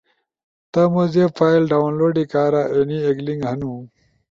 تمو زیب فائل ڈاونلوڈی کارا اینی ایک لنک ہنو۔